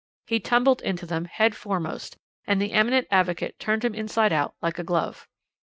He tumbled into them, head foremost, and the eminent advocate turned him inside out like a glove.